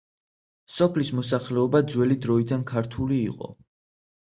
სოფლის მოსახლეობა ძველი დროიდან ქართული იყო.